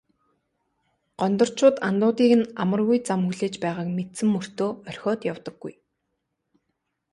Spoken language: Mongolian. Гондорчууд андуудыг нь амаргүй зам хүлээж байгааг мэдсэн мөртөө орхиод явдаггүй.